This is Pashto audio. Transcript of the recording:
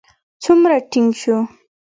څومره ټينګ شو.